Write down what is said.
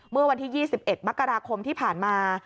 เมื่อวันที่๒๑มกราคมที่ผ่านมา